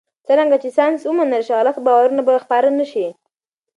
څرنګه چې ساینس ومنل شي، غلط باورونه به خپاره نه شي.